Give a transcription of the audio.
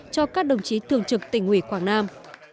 cho các đồng chí thường trực tỉnh ủy quảng nam